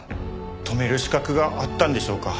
止める資格があったんでしょうか？